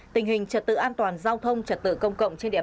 tình hình trật tự an toàn giao thông trật tự công cộng trên địa bàn